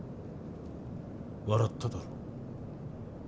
笑っただろ。